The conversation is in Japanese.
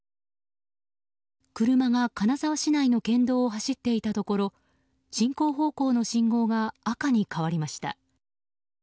車が金沢市内の県道を走っていたところ進行方向の信号が赤に変わりました。